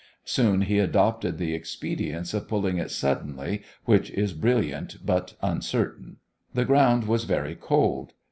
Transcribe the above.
Soon he adopted the expedient of pulling it suddenly which is brilliant but uncertain. The ground was very cold.